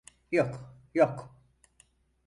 Yok, yok.